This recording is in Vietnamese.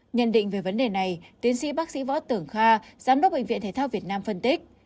nhận định về vấn đề này tiến sĩ bác sĩ võ tưởng kha giám đốc bệnh viện thể thao việt nam phân tích